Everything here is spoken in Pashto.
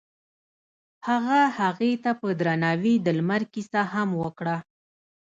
هغه هغې ته په درناوي د لمر کیسه هم وکړه.